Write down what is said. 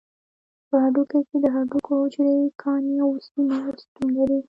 په هډوکي کې د هډوکو حجرې، کاني او عضوي مواد شتون لري.